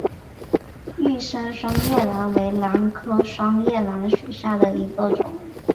玉山双叶兰为兰科双叶兰属下的一个种。